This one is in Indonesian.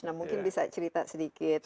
nah mungkin bisa cerita sedikit